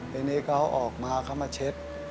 ทีนี้เขาออกมาเขามาเช็ด